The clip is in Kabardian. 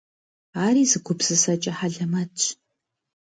Ари зы гупсысэкӏэ хьэлэмэтщ.